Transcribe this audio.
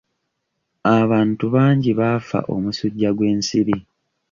Abantu bangi baafa omusujja gw'ensiri.